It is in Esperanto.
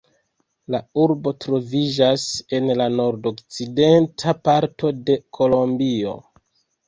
La urbo troviĝas en la nordokcidenta parto de Kolombio.